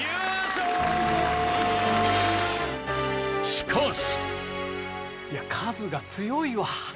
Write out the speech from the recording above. しかし。